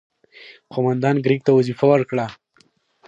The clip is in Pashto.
قوماندان کرېګ ته وظیفه ورکړه.